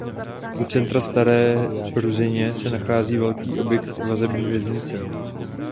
U centra staré Ruzyně se nachází velký objekt vazební věznice.